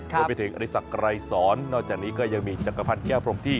รวมไปถึงอริสักไกรสอนนอกจากนี้ก็ยังมีจักรพันธ์แก้วพรมที่